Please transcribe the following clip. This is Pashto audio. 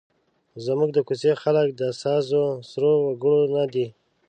زموږ د کوڅې خلک د سازوسرور وګړي نه دي.